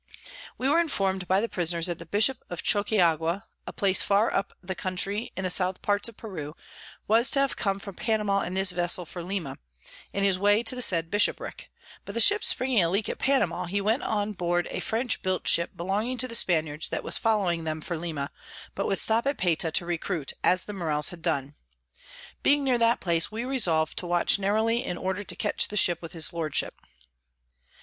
We were inform'd by the Prisoners, that the Bishop of Chokeaqua, a Place far up the Country in the South Parts of Peru, was to have come from Panama in this Vessel for Lima, in his way to the said Bishoprick; but the Ship springing a Leak at Panama, he went on board a French built Ship belonging to the Spaniards that was following them for Lima, but would stop at Payta to recruit, as the Morels had done. Being near that place, we resolve to watch narrowly in order to catch the Ship with his Lordship.